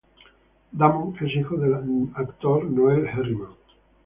Damon es hijo del actor Noel Herriman.